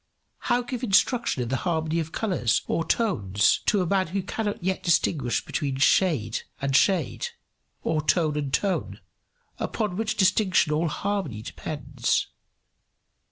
How give instruction in the harmony of colours or tones to a man who cannot yet distinguish between shade and shade or tone and tone, upon which distinction all harmony depends?